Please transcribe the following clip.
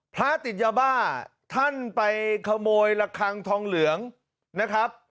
พระติดยาบ้าท่านไปขโมยระคังทองเหลืองนะครับ